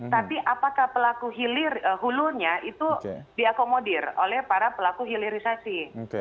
tapi apakah pelaku hulunya itu diakomodir oleh para pelaku hilirisasi